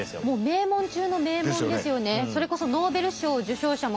名門中の名門ですよね。